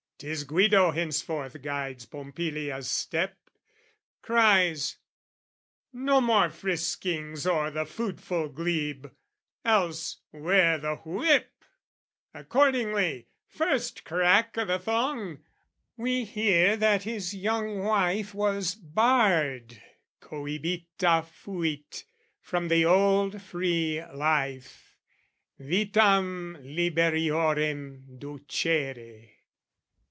'Tis Guido henceforth guides Pompilia's step, Cries "No more friskings o'er the foodful glebe, "Else, 'ware the whip!" Accordingly, first crack O' the thong, we hear that his young wife was barred, Cohibita fuit, from the old free life, Vitam liberiorem ducere.